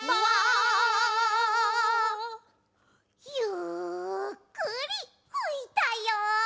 ゆっくりふいたよ。